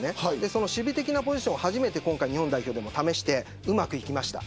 その守備的なポジションを初めて日本代表でも試してうまくいきました。